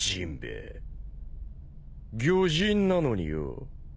魚人なのによ。